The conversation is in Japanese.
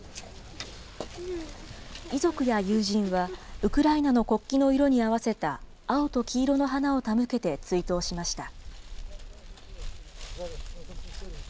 遺族や友人は、ウクライナの国旗の色に合わせた青と黄色の花を手向けて追悼しました。